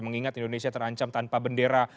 mengingat indonesia terancam tanpa bendera